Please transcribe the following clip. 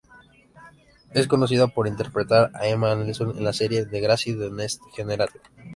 Es conocida por interpretar a Emma Nelson en la serie Degrassi: The Next Generation.